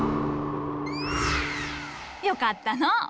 よかったのう。